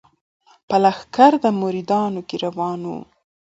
په لښکر د مریدانو کي روان وو